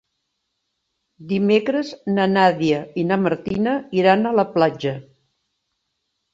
Dimecres na Nàdia i na Martina iran a la platja.